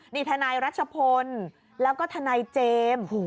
นี่ทนายรัชพลแล้วก็ทนายเจมส์